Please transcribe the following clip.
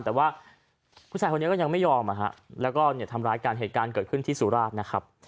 แต่ว่าผู้ชายคนนี้ก็ยังไม่ยอมแล้วก็ทำร้ายกันเหตุการณ์เกิดขึ้นที่สุราชนะครับ